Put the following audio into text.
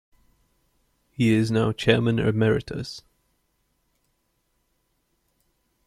He is now chairman emeritus.